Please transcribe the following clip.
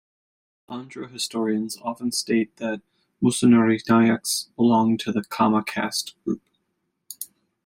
Andhra historians often state that Musunuri Nayaks belonged to the Kamma caste group.